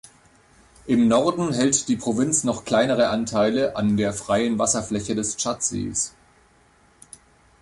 Im Norden hält die Provinz noch kleinere Anteile an der freien Wasserfläche des Tschadsees.